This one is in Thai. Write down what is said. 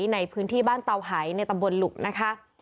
ในพื้นที่บ้านเตาหายในตำบลหลุกนะคะ